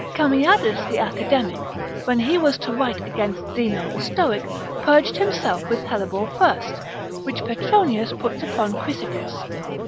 Cameades the academic, when he was to write against Zeno the stoic, purged himself with hellebore first, which Petronius puts upon Chrysippus.